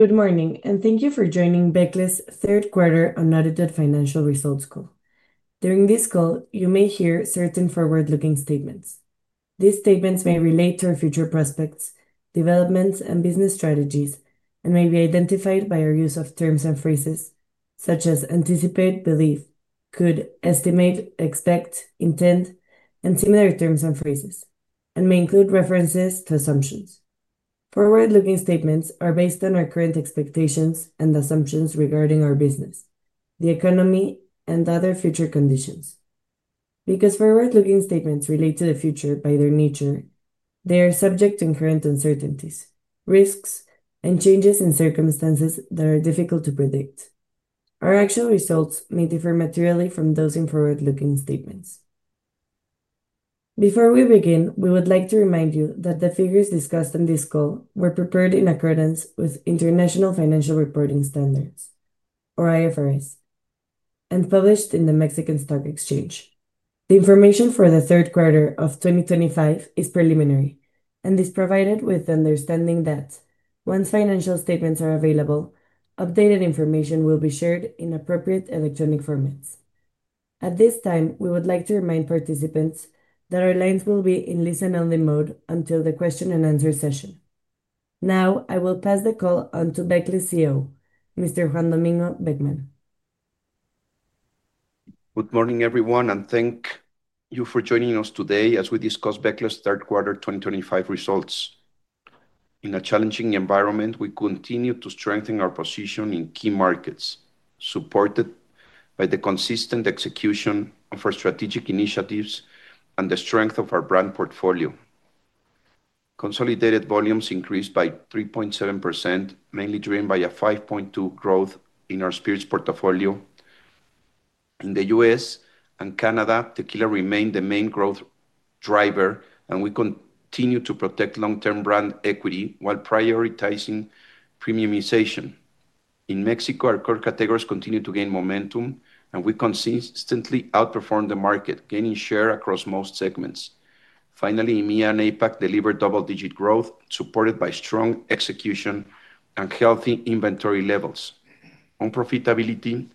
Good morning and thank you for joining Becle's third quarter unaudited financial results call. During this call, you may hear certain forward-looking statements. These statements may relate to our future prospects, developments, and business strategies, and may be identified by our use of terms and phrases such as anticipate, believe, could, estimate, expect, intend, and similar terms and phrases, and may include references to assumptions. Forward-looking statements are based on our current expectations and assumptions regarding our business, the economy, and other future conditions. Because forward-looking statements relate to the future by their nature, they are subject to current uncertainties, risks, and changes in circumstances that are difficult to predict. Our actual results may differ materially from those in forward-looking statements. Before we begin, we would like to remind you that the figures discussed in this call were prepared in accordance with International Financial Reporting Standards, or IFRS, and published in the Mexican Stock Exchange. The information for the third quarter of 2025 is preliminary and is provided with the understanding that once financial statements are available, updated information will be shared in appropriate electronic formats. At this time, we would like to remind participants that our lines will be in listen-only mode until the question and answer session. Now, I will pass the call on to Becle's CEO, Mr. Juan Domingo Beckmann. Good morning, everyone, and thank you for joining us today as we discuss Becle's third quarter 2025 results. In a challenging environment, we continue to strengthen our position in key markets, supported by the consistent execution of our strategic initiatives and the strength of our brand portfolio. Consolidated volumes increased by 3.7%, mainly driven by a 5.2% growth in our spirits portfolio. In the U.S. and Canada, tequila remained the main growth driver, and we continue to protect long-term brand equity while prioritizing premiumization. In Mexico, our core categories continue to gain momentum, and we consistently outperform the market, gaining share across most segments. Finally, EMEA and APAC delivered double-digit growth, supported by strong execution and healthy inventory levels. On profitability,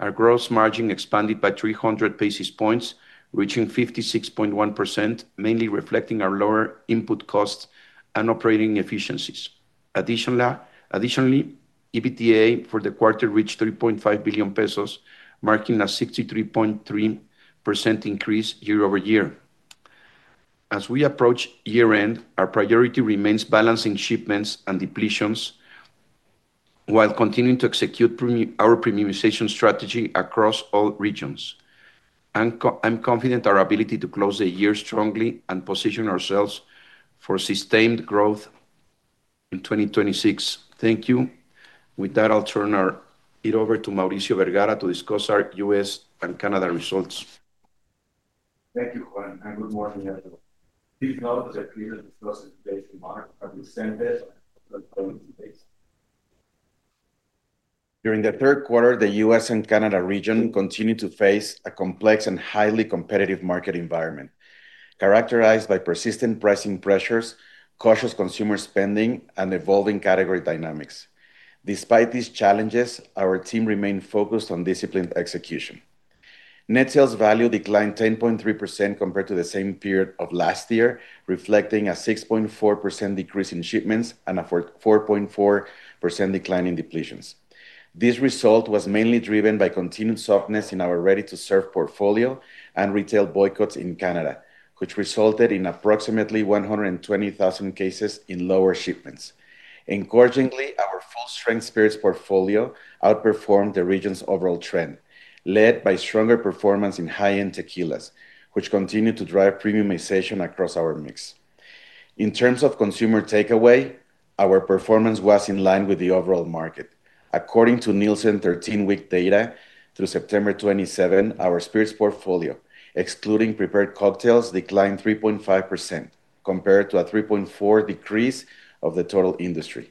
our gross margin expanded by 300 basis points, reaching 56.1%, mainly reflecting our lower input costs and operating efficiencies. Additionally, EBITDA for the quarter reached $3.5 billion pesos, marking a 63.3% increase year over year. As we approach year-end, our priority remains balancing shipments and depletions while continuing to execute our premiumization strategy across all regions. I'm confident our ability to close the year strongly and position ourselves for sustained growth in 2026. Thank you. With that, I'll turn it over to Mauricio Vergara to discuss our U.S. and Canada results. Thank you, Juan, and good morning everyone. Please note that the previous results in today's remark are the same dates as reported today. During the third quarter, the US and Canada region continued to face a complex and highly competitive market environment, characterized by persistent pricing pressures, cautious consumer spending, and evolving category dynamics. Despite these challenges, our team remained focused on disciplined execution. Net sales value declined 10.3% compared to the same period of last year, reflecting a 6.4% decrease in shipments and a 4.4% decline in depletions. This result was mainly driven by continued softness in our ready-to-serve portfolio and retail boycotts in Canada, which resulted in approximately 120,000 cases in lower shipments. Encouragingly, our full-strength spirits portfolio outperformed the region's overall trend, led by stronger performance in high-end tequilas, which continued to drive premiumization across our mix. In terms of consumer takeaway, our performance was in line with the overall market. According to Nielsen 13-week data through September 27, our spirits portfolio, excluding prepared cocktails, declined 3.5% compared to a 3.4% decrease of the total industry.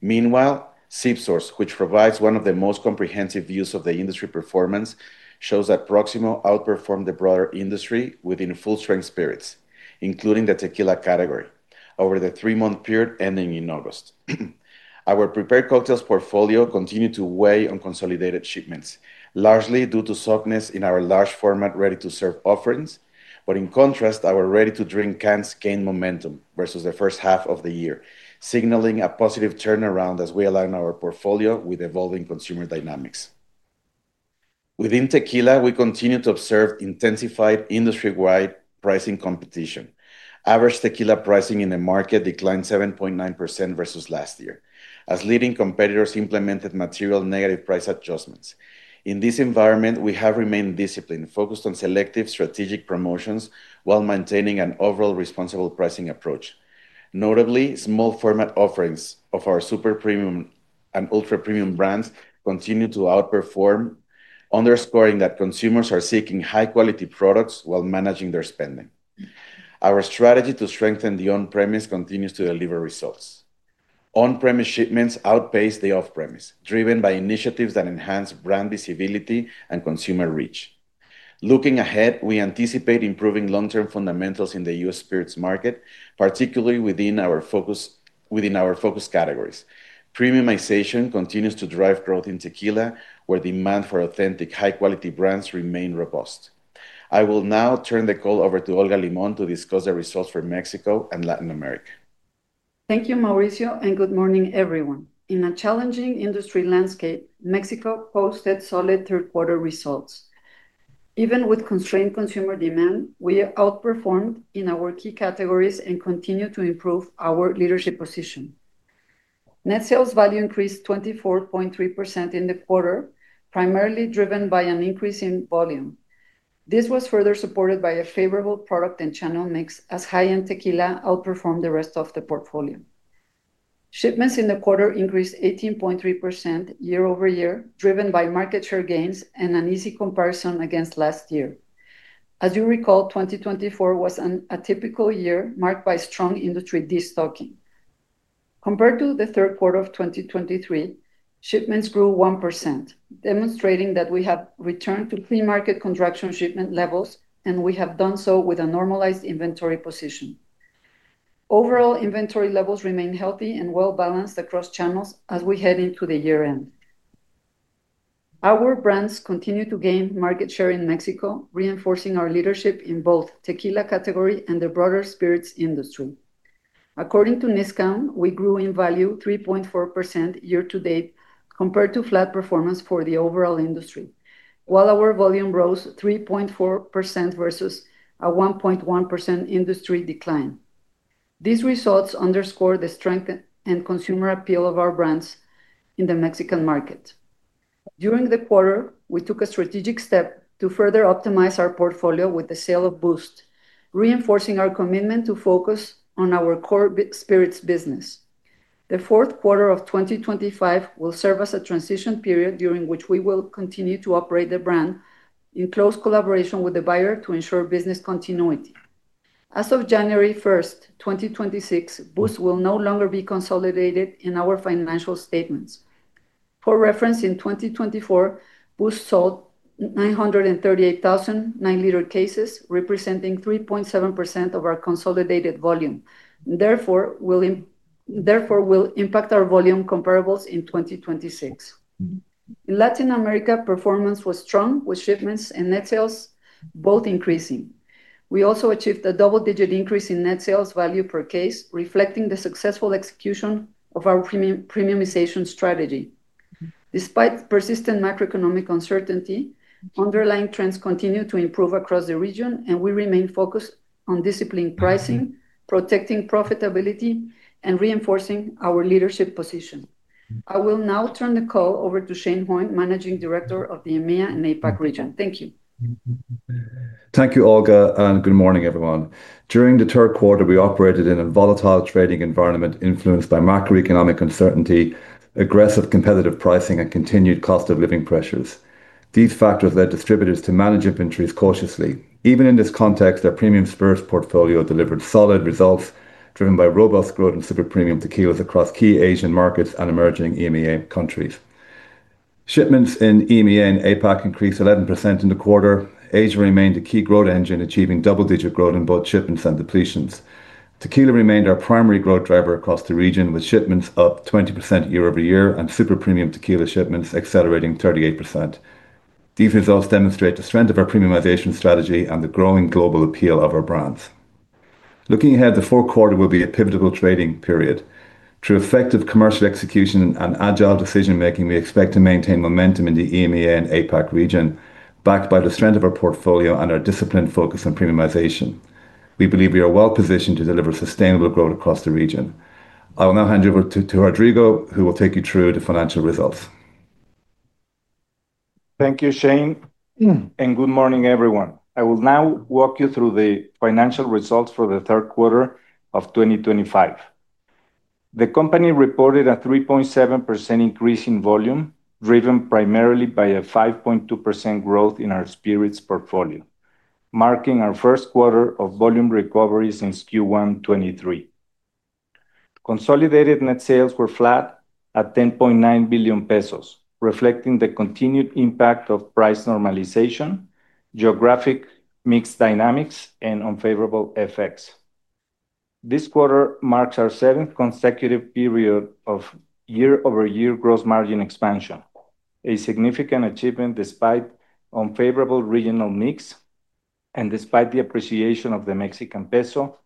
Meanwhile, SIP Source, which provides one of the most comprehensive views of the industry performance, shows that Proximo outperformed the broader industry within full-strength spirits, including the tequila category, over the three-month period ending in August. Our prepared cocktails portfolio continued to weigh on consolidated shipments, largely due to softness in our large-format ready-to-serve offerings. In contrast, our ready-to-drink cans gained momentum versus the first half of the year, signaling a positive turnaround as we align our portfolio with evolving consumer dynamics. Within tequila, we continue to observe intensified industry-wide pricing competition. Average tequila pricing in the market declined 7.9% versus last year, as leading competitors implemented material negative price adjustments. In this environment, we have remained disciplined, focused on selective strategic promotions while maintaining an overall responsible pricing approach. Notably, small-format offerings of our super premium and ultra premium brands continue to outperform, underscoring that consumers are seeking high-quality products while managing their spending. Our strategy to strengthen the on-premise continues to deliver results. On-premise shipments outpace the off-premise, driven by initiatives that enhance brand visibility and consumer reach. Looking ahead, we anticipate improving long-term fundamentals in the US spirits market, particularly within our focused categories. Premiumization continues to drive growth in tequila, where demand for authentic high-quality brands remains robust. I will now turn the call over to Olga Limón Montaño to discuss the results for Mexico and Latin America. Thank you, Mauricio, and good morning everyone. In a challenging industry landscape, Mexico posted solid third-quarter results. Even with constrained consumer demand, we outperformed in our key categories and continue to improve our leadership position. Net sales value increased 24.3% in the quarter, primarily driven by an increase in volume. This was further supported by a favorable product and channel mix, as high-end tequila outperformed the rest of the portfolio. Shipments in the quarter increased 18.3% year-over-year, driven by market share gains and an easy comparison against last year. As you recall, 2024 was an atypical year marked by strong industry destocking. Compared to the third quarter of 2023, shipments grew 1%, demonstrating that we have returned to pre-market contraction shipment levels, and we have done so with a normalized inventory position. Overall, inventory levels remain healthy and well-balanced across channels as we head into the year-end. Our brands continue to gain market share in Mexico, reinforcing our leadership in both the tequila category and the broader spirits industry. According to NISCOM, we grew in value 3.4% year-to-date compared to flat performance for the overall industry, while our volume rose 3.4% versus a 1.1% industry decline. These results underscore the strength and consumer appeal of our brands in the Mexican market. During the quarter, we took a strategic step to further optimize our portfolio with the sale of Boost, reinforcing our commitment to focus on our core spirits business. The fourth quarter of 2025 will serve as a transition period during which we will continue to operate the brand in close collaboration with the buyer to ensure business continuity. As of January 1st, 2026, Boost will no longer be consolidated in our financial statements. For reference, in 2024, Boost sold 938,000 nine-liter cases, representing 3.7% of our consolidated volume, and therefore will impact our volume comparables in 2026. In Latin America, performance was strong, with shipments and net sales both increasing. We also achieved a double-digit increase in net sales value per case, reflecting the successful execution of our premiumization strategy. Despite persistent macroeconomic uncertainty, underlying trends continue to improve across the region, and we remain focused on disciplined pricing, protecting profitability, and reinforcing our leadership position. I will now turn the call over to Shane Hoyne, Managing Director of the EMEA and APAC region. Thank you. Thank you, Olga, and good morning everyone. During the third quarter, we operated in a volatile trading environment influenced by macroeconomic uncertainty, aggressive competitive pricing, and continued cost of living pressures. These factors led distributors to manage inventories cautiously. Even in this context, our premium spirits portfolio delivered solid results, driven by robust growth in super premium tequilas across key Asian markets and emerging EMEA countries. Shipments in EMEA and APAC increased 11% in the quarter. Asia remained a key growth engine, achieving double-digit growth in both shipments and depletions. Tequila remained our primary growth driver across the region, with shipments up 20% year-over-year and super premium tequila shipments accelerating 38%. These results demonstrate the strength of our premiumization strategy and the growing global appeal of our brands. Looking ahead, the fourth quarter will be a pivotal trading period. Through effective commercial execution and agile decision-making, we expect to maintain momentum in the EMEA and APAC region, backed by the strength of our portfolio and our disciplined focus on premiumization. We believe we are well positioned to deliver sustainable growth across the region. I will now hand you over to Rodrigo, who will take you through the financial results. Thank you, Shane, and good morning everyone. I will now walk you through the financial results for the third quarter of 2025. The company reported a 3.7% increase in volume, driven primarily by a 5.2% growth in our spirits portfolio, marking our first quarter of volume recoveries since Q1 2023. Consolidated net sales were flat at $10.9 billion pesos, reflecting the continued impact of price normalization, geographic mix dynamics, and unfavorable effects. This quarter marks our seventh consecutive period of year-over-year gross margin expansion, a significant achievement despite unfavorable regional mix and despite the appreciation of the Mexican peso,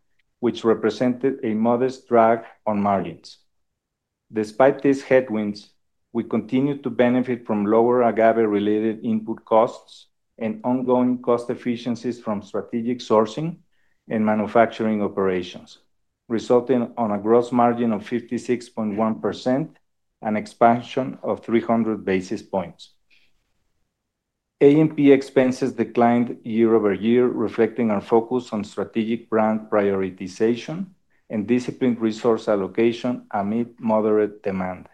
which represented a modest drag on margins. Despite these headwinds, we continue to benefit from lower agave-related input costs and ongoing cost efficiencies from strategic sourcing and manufacturing operations, resulting in a gross margin of 56.1% and expansion of 300 basis points. A&P expenses declined year over year, reflecting our focus on strategic brand prioritization and disciplined resource allocation amid moderate demand.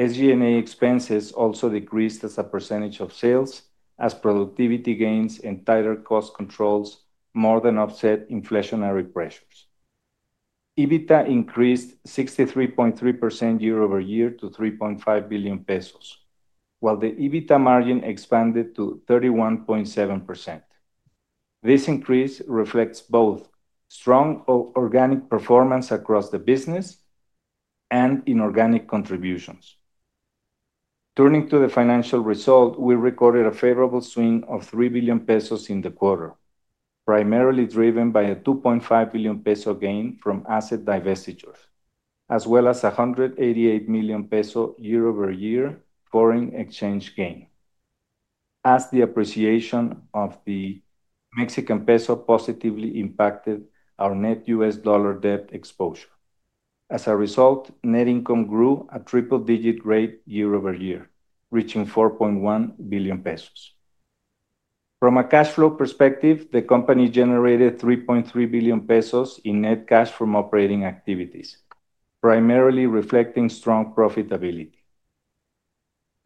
SG&A expenses also decreased as a percentage of sales, as productivity gains and tighter cost controls more than offset inflationary pressures. EBITDA increased 63.3% year over year to $3.5 billion pesos, while the EBITDA margin expanded to 31.7%. This increase reflects both strong organic performance across the business and inorganic contributions. Turning to the financial result, we recorded a favorable swing of $3 billion pesos in the quarter, primarily driven by a $2.5 billion peso gain from asset divestitures, as well as $188 million pesos year-over-year foreign exchange gain, as the appreciation of the Mexican peso positively impacted our net U.S. dollar debt exposure. As a result, net income grew a triple-digit rate year-over-year, reaching $4.1 billion pesos. From a cash flow perspective, the company generated $3.3 billion pesos in net cash from operating activities, primarily reflecting strong profitability.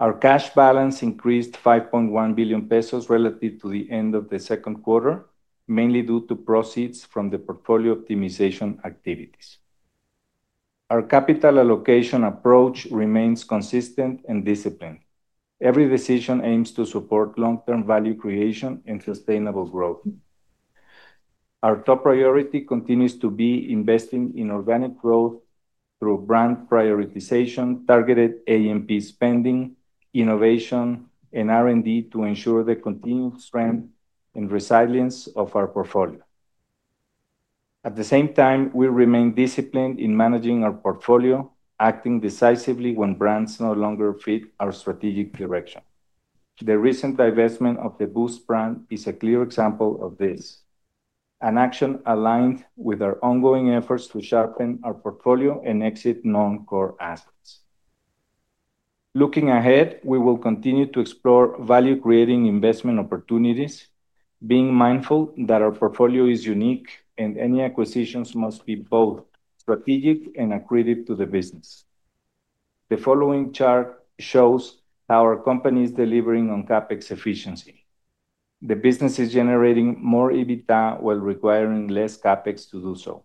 Our cash balance increased $5.1 billion pesos relative to the end of the second quarter, mainly due to proceeds from the portfolio optimization activities. Our capital allocation approach remains consistent and disciplined. Every decision aims to support long-term value creation and sustainable growth. Our top priority continues to be investing in organic growth through brand prioritization, targeted A&P spending, innovation, and R&D to ensure the continued strength and resilience of our portfolio. At the same time, we remain disciplined in managing our portfolio, acting decisively when brands no longer fit our strategic direction. The recent divestment of the Boost brand is a clear example of this, an action aligned with our ongoing efforts to sharpen our portfolio and exit non-core assets. Looking ahead, we will continue to explore value-creating investment opportunities, being mindful that our portfolio is unique and any acquisitions must be both strategic and accretive to the business. The following chart shows how our company is delivering on CapEx efficiency. The business is generating more EBITDA while requiring less CapEx to do so,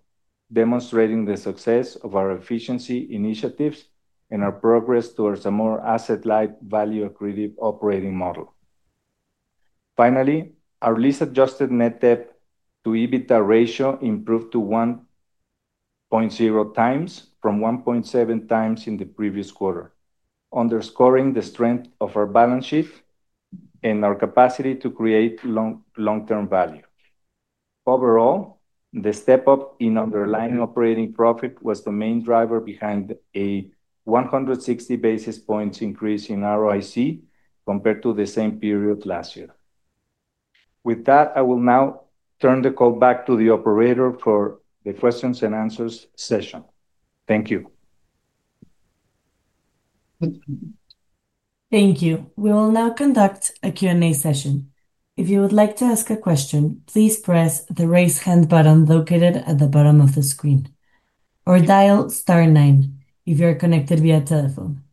demonstrating the success of our efficiency initiatives and our progress towards a more asset-light, value-accretive operating model. Finally, our latest adjusted net debt to EBITDA ratio improved to 1.0 times from 1.7 times in the previous quarter, underscoring the strength of our balance sheet and our capacity to create long-term value. Overall, the step up in underlying operating profit was the main driver behind a 160 basis points increase in ROIC compared to the same period last year. With that, I will now turn the call back to the operator for the questions and answers session. Thank you. Thank you. We will now conduct a Q&A session. If you would like to ask a question, please press the raise hand button located at the bottom of the screen or dial star nine if you are connected via telephone.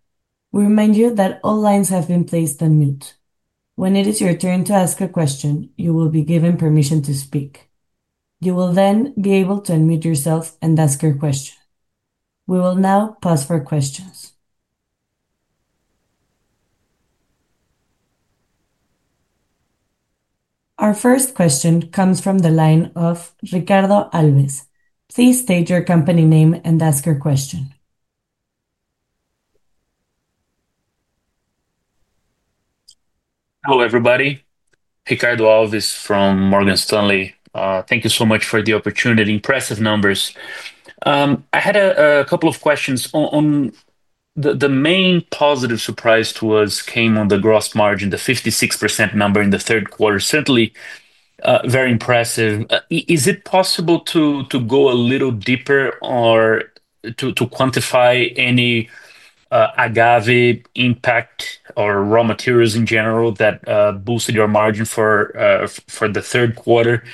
We remind you that all lines have been placed on mute. When it is your turn to ask a question, you will be given permission to speak. You will then be able to unmute yourself and ask your question. We will now pause for questions. Our first question comes from the line of Ricardo Alves. Please state your company name and ask your question. Hello everybody. Ricardo Alves from Morgan Stanley. Thank you so much for the opportunity. Impressive numbers. I had a couple of questions. The main positive surprise came on the gross margin, the 56% number in the third quarter. Certainly very impressive. Is it possible to go a little deeper or to quantify any agave impact or raw materials in general that boosted your margin for the third quarter?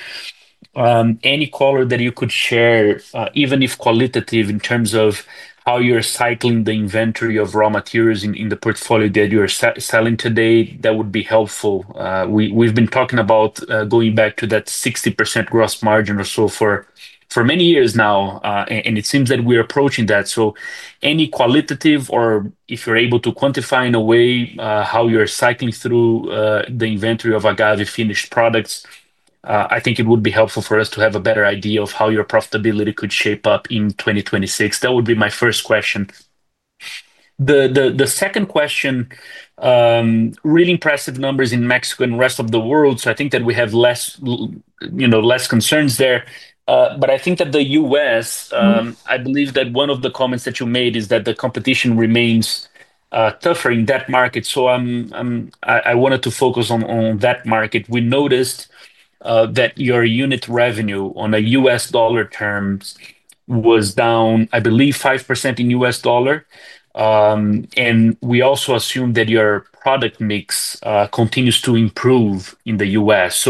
Any color that you could share, even if qualitative, in terms of how you're cycling the inventory of raw materials in the portfolio that you are selling today? That would be helpful. We've been talking about going back to that 60% gross margin or so for many years now, and it seems that we are approaching that. Any qualitative or if you're able to quantify in a way how you're cycling through the inventory of agave finished products, I think it would be helpful for us to have a better idea of how your profitability could shape up in 2026. That would be my first question. The second question, really impressive numbers in Mexico and the rest of the world. I think that we have less concerns there. I think that the U.S., I believe that one of the comments that you made is that the competition remains tougher in that market. I wanted to focus on that market. We noticed that your unit revenue on a U.S. dollar term was down, I believe, 5% in U.S. dollar. We also assumed that your product mix continues to improve in the U.S.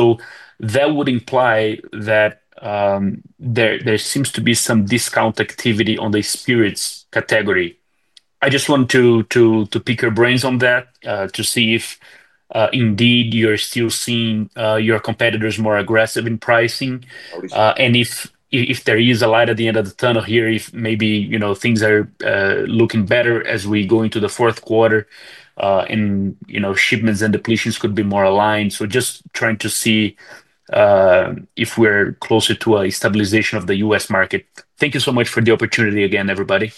That would imply that there seems to be some discount activity on the spirits category. I just want to pick your brains on that to see if indeed you're still seeing your competitors more aggressive in pricing, and if there is a light at the end of the tunnel here, if maybe things are looking better as we go into the fourth quarter and shipments and depletions could be more aligned. Just trying to see if we're closer to a stabilization of the U.S. market. Thank you so much for the opportunity again, everybody.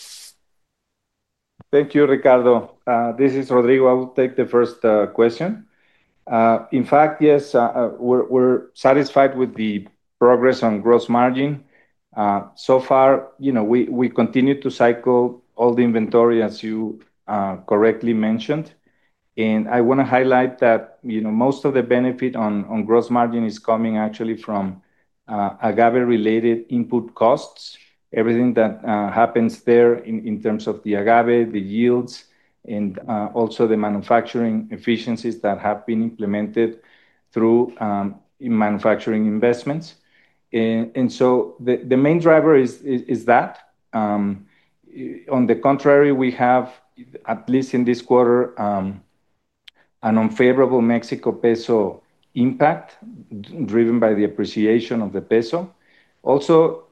Thank you, Ricardo. This is Rodrigo. I will take the first question. In fact, yes, we're satisfied with the progress on gross margin. So far, we continue to cycle all the inventory as you correctly mentioned. I want to highlight that most of the benefit on gross margin is coming actually from agave-related input costs. Everything that happens there in terms of the agave, the yields, and also the manufacturing efficiencies that have been implemented through manufacturing investments. The main driver is that. On the contrary, we have, at least in this quarter, an unfavorable Mexico peso impact driven by the appreciation of the PESO. Also,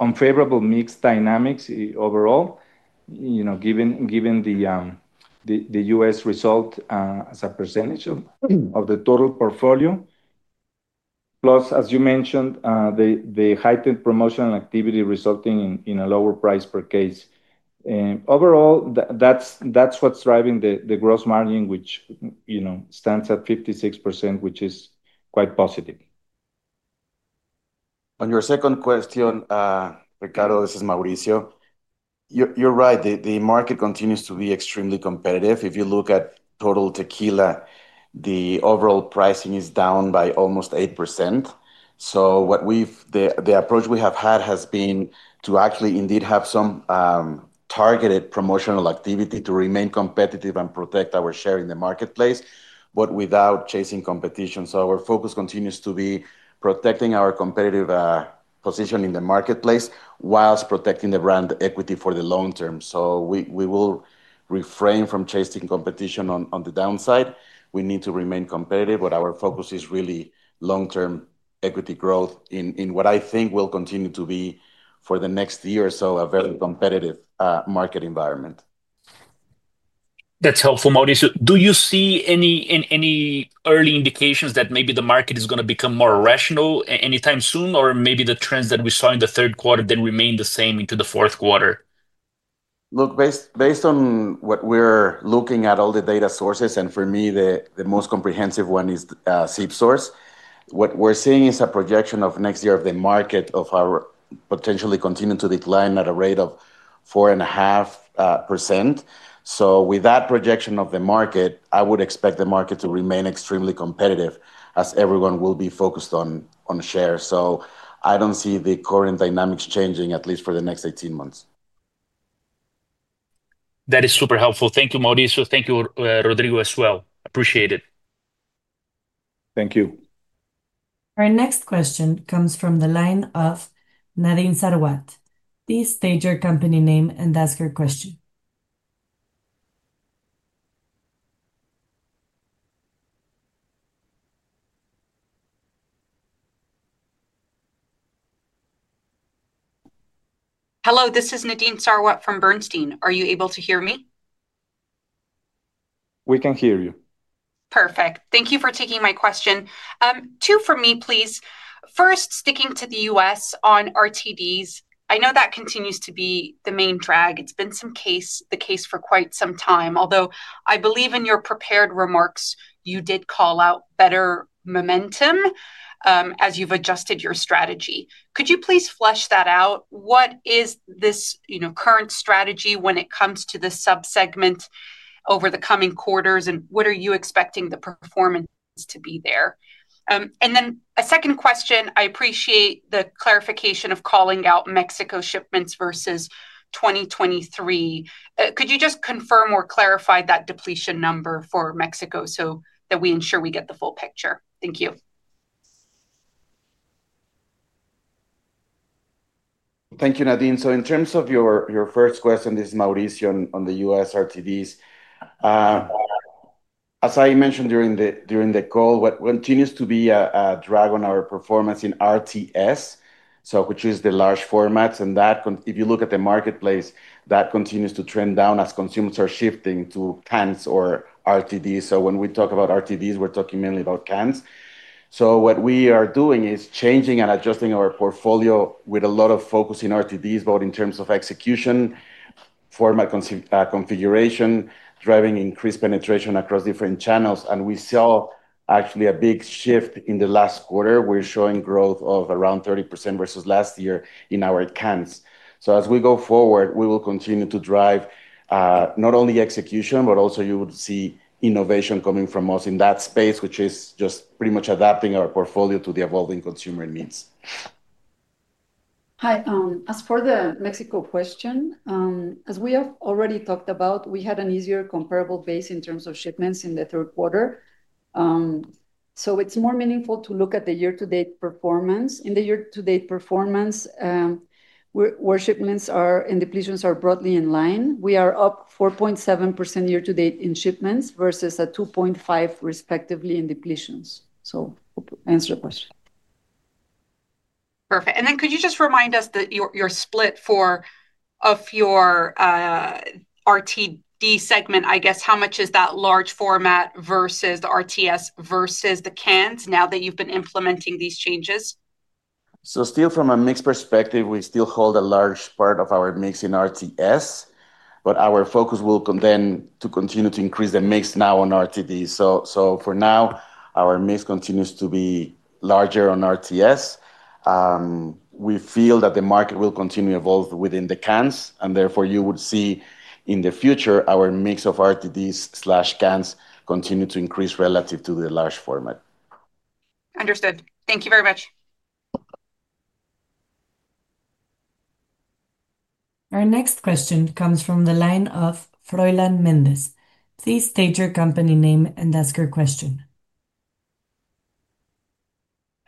unfavorable mix dynamics overall, given the U.S. result as a percentage of the total portfolio. Plus, as you mentioned, the heightened promotional activity resulting in a lower price per case. Overall, that's what's driving the gross margin, which stands at 56%, which is quite positive. On your second question, Ricardo, this is Mauricio. You're right, the market continues to be extremely competitive. If you look at total tequila, the overall pricing is down by almost 8%. The approach we have had has been to actually indeed have some targeted promotional activity to remain competitive and protect our share in the marketplace, but without chasing competition. Our focus continues to be protecting our competitive position in the marketplace whilst protecting the brand equity for the long term. We will refrain from chasing competition on the downside. We need to remain competitive, but our focus is really long-term equity growth in what I think will continue to be, for the next year or so, a very competitive market environment. That's helpful, Mauricio. Do you see any early indications that maybe the market is going to become more rational anytime soon, or maybe the trends that we saw in the third quarter remain the same into the fourth quarter? Look, based on what we're looking at, all the data sources, and for me, the most comprehensive one is SIP Source. What we're seeing is a projection of next year of the market potentially continuing to decline at a rate of 4.5%. With that projection of the market, I would expect the market to remain extremely competitive as everyone will be focused on shares. I don't see the current dynamics changing, at least for the next 18 months. That is super helpful. Thank you, Mauricio. Thank you, Rodrigo, as well. Appreciate it. Thank you. Our next question comes from the line of Nadine Sarawat. Please state your company name and ask your question. Hello, this is Nadine Sarawat from Bernstein. Are you able to hear me? We can hear you. Perfect. Thank you for taking my question. Two for me, please. First, sticking to the US on RTDs, I know that continues to be the main drag. It's been the case for quite some time, although I believe in your prepared remarks, you did call out better momentum as you've adjusted your strategy. Could you please flesh that out? What is this current strategy when it comes to the subsegment over the coming quarters, and what are you expecting the performance to be there? A second question. I appreciate the clarification of calling out Mexico shipments versus 2023. Could you just confirm or clarify that depletion number for Mexico so that we ensure we get the full picture? Thank you. Thank you, Nadine. In terms of your first question, this is Mauricio on the U.S. RTDs. As I mentioned during the call, what continues to be a drag on our performance in RTDs is the large formats, and if you look at the marketplace, that continues to trend down as consumers are shifting to cans or RTDs. When we talk about RTDs, we're talking mainly about cans. So what we are doing is changing and adjusting our portfolio with a lot of focus in RTDs, both in terms of execution, format configuration, and driving increased penetration across different channels. We saw actually a big shift in the last quarter. We're showing growth of around 30% versus last year in our cans. As we go forward, we will continue to drive not only execution, but also you will see innovation coming from us in that space, which is just pretty much adapting our portfolio to the evolving consumer needs. Hi pam. As for the Mexico question, as we have already talked about, we had an easier comparable base in terms of shipments in the third quarter. It is more meaningful to look at the year-to-date performance. In the year-to-date performance, where shipments and depletions are broadly in line, we are up 4.7% year-to-date in shipments versus 2.5% respectively in depletions. Hope to answer the question. Perfect. Could you just remind us your split for your RTD segment? I guess, how much is that large format versus the RTDs versus the cans now that you've been implementing these changes? From a mix perspective, we still hold a large part of our mix in RTS, but our focus will then continue to increase the mix now on RTD. For now, our mix continues to be larger on RTS. We feel that the market will continue to evolve within the cans, and therefore you would see in the future our mix of RTDs/cans continue to increase relative to the large format. Understood. Thank you very much. Our next question comes from the line of Fernando Froylan Mendez Solther. Please state your company name and ask your question.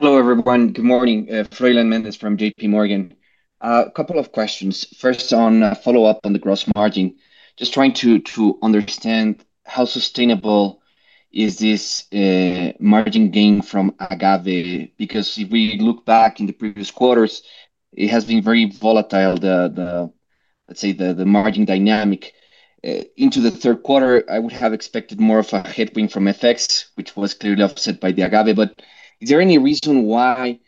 Hello everyone. Good morning. Fernando Froylan Mendez Solther from JP Morgan. A couple of questions. First, on a follow-up on the gross margin, just trying to understand how sustainable is this margin gain from agave, because if we look back in the previous quarters, it has been very volatile, let's say, the margin dynamic. Into the third quarter, I would have expected more of a headwind from FX, which was clearly offset by the agave. Is there any reason why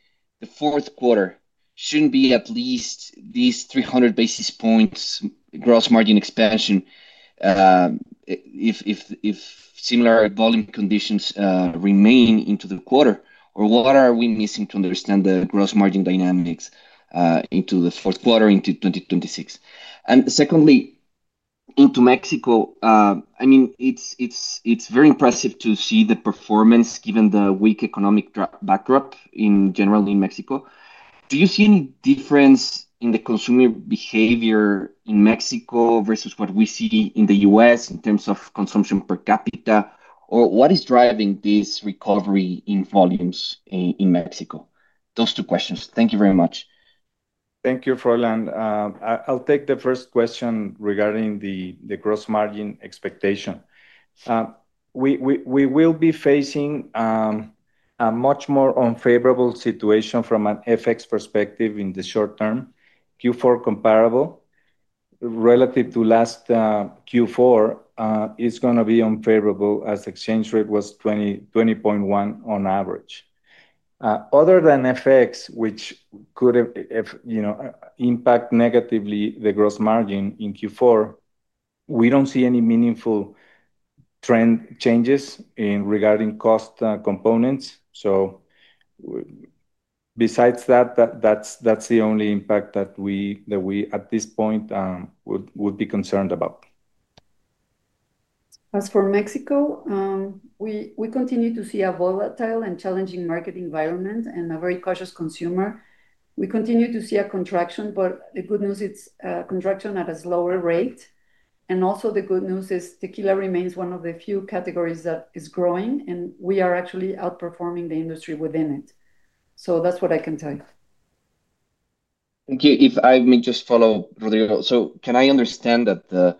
the fourth quarter shouldn't be at least these 300 basis points gross margin expansion if similar volume conditions remain into the quarter? What are we missing to understand the gross margin dynamics into the fourth quarter into 2026? Secondly, into Mexico, I mean, it's very impressive to see the performance given the weak economic backdrop in general in Mexico. Do you see any difference in the consumer behavior in Mexico versus what we see in the US in terms of consumption per capita? What is driving this recovery in volumes in Mexico? Those two questions. Thank you very much. Thank you, Froylán. I'll take the first question regarding the gross margin expectation. We will be facing a much more unfavorable situation from an FX perspective in the short term. Q4 comparable relative to last Q4 is going to be unfavorable as the exchange rate was 20.1% on average. Other than FX, which could impact negatively the gross margin in Q4, we don't see any meaningful trend changes regarding cost components. Besides that, that's the only impact that we at this point would be concerned about. As for Mexico, we continue to see a volatile and challenging market environment and a very cautious consumer. We continue to see a contraction, but the good news is a contraction at a slower rate. The good news is tequila remains one of the few categories that is growing, and we are actually outperforming the industry within it. That's what I can tell you. Thank you. If I may just follow up, Rodrigo, can I understand that the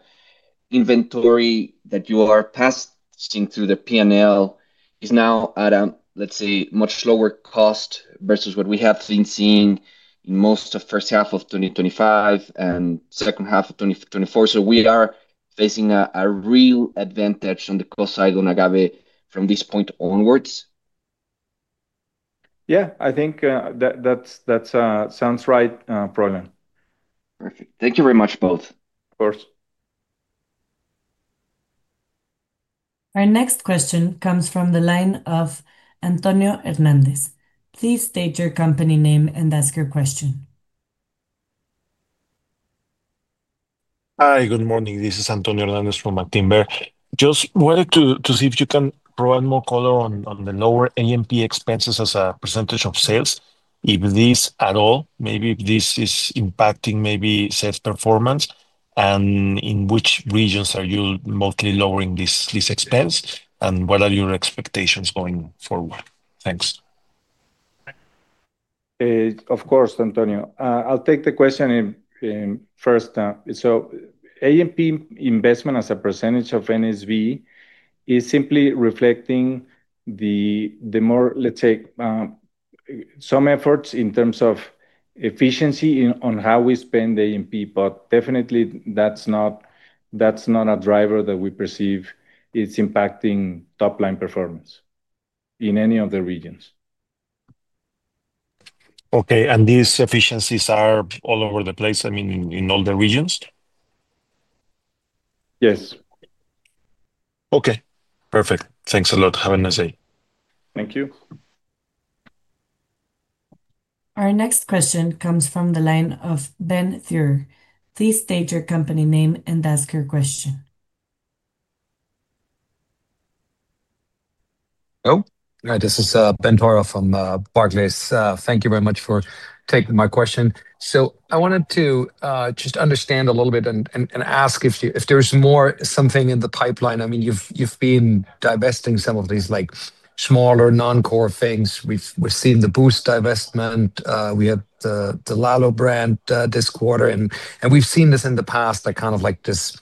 inventory that you are passing through the P&L is now at a, let's say, much lower cost versus what we have been seeing in most of the first half of 2025 and second half of 2024? We are facing a real advantage on the cost side on agave from this point onwards? Yeah, I think that sounds right, Froylán. Perfect. Thank you very much, both. Of course. Our next question comes from the line of Antonio Hernandez. Please state your company name and ask your question. Hi, good morning. This is Antonio Hernandez from Actinver, Barclays. Just wanted to see if you can provide more color on the lower A&P expenses as a percentage of sales, if this at all, maybe if this is impacting maybe sales performance, and in which regions are you mostly lowering this expense, and what are your expectations going forward? Thanks. Of course, Antonio. I'll take the question in first. A&P investment as a percentage of NSV is simply reflecting the more, let's say, some efforts in terms of efficiency on how we spend A&P, but definitely that's not a driver that we perceive is impacting top-line performance in any of the regions. Okay. These efficiencies are all over the place, I mean, in all the regions? Yes. Okay. Perfect. Thanks a lot. Have a nice day. Thank you. Our next question comes from the line of Ben Theurer. Please state your company name and ask your question. Hello. Hi, this is Ben Thurer from Barclays. Thank you very much for taking my question. I wanted to just understand a little bit and ask if there's more something in the pipeline. I mean, you've been divesting some of these like smaller non-core things. We've seen the Boost divestment. We have the Lalo brand this quarter, and we've seen this in the past, like kind of like this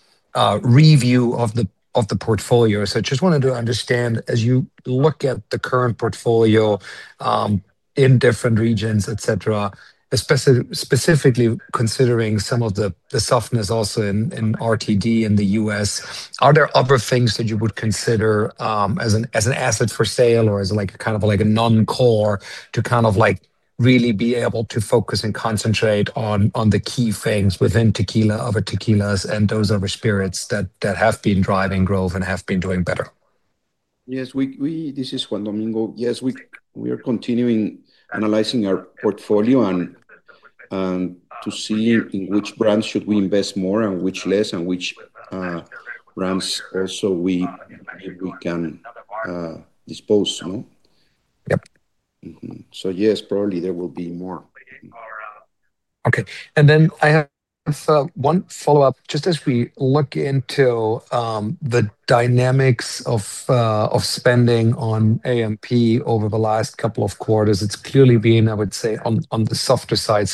review of the portfolio. I just wanted to understand, as you look at the current portfolio in different regions, etc., especially specifically considering some of the softness also in RTD in the US, are there other things that you would consider as an asset for sale or as like a kind of like a non-core to kind of like really be able to focus and concentrate on the key things within tequila, other tequilas, and those other spirits that have been driving growth and have been doing better? Yes, this is Juan Domingo. Yes, we are continuing analyzing our portfolio to see in which brands should we invest more, which less, and which brands also we can dispose. Yep. Yes, probably there will be more. Okay. I have one follow-up. Just as we look into the dynamics of spending on A&P over the last couple of quarters, it's clearly been, I would say, on the softer side.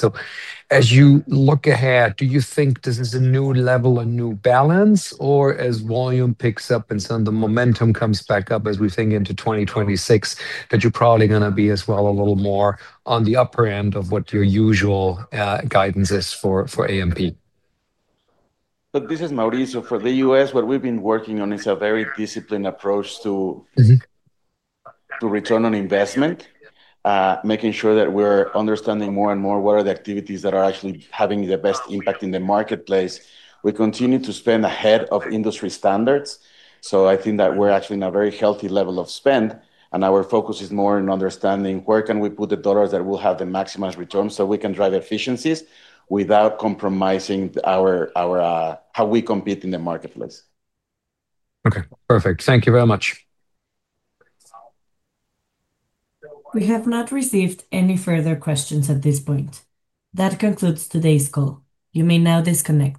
As you look ahead, do you think this is a new level, a new balance, or as volume picks up and some of the momentum comes back up as we think into 2026, that you're probably going to be as well a little more on the upper end of what your usual guidance is for A&P? This is Mauricio. For the US, what we've been working on is a very disciplined approach to return on investment, making sure that we're understanding more and more what are the activities that are actually having the best impact in the marketplace. We continue to spend ahead of industry standards. I think that we're actually in a very healthy level of spend, and our focus is more in understanding where can we put the dollars that will have the maximized return so we can drive efficiencies without compromising how we compete in the marketplace. Okay. Perfect. Thank you very much. We have not received any further questions at this point. That concludes today's call. You may now disconnect.